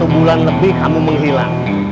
sepuluh bulan lebih kamu menghilang